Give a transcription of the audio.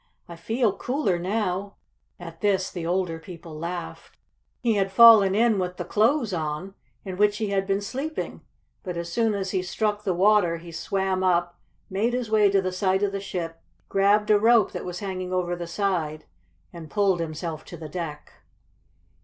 "I feel cooler now." At this the older people laughed. He had fallen in with the clothes on, in which he had been sleeping, but as soon as he struck the water he swam up, made his way to the side of the ship, grabbed a rope that was hanging over the side, and pulled himself to the deck.